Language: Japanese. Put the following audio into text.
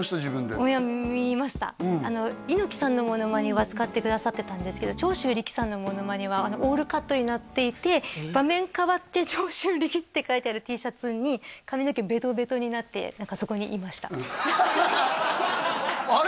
うん猪木さんのモノマネは使ってくださってたんですけど長州力さんのモノマネはオールカットになっていて場面変わって「長州力」って書いてあるＴシャツに髪の毛ベトベトになって何かあれ？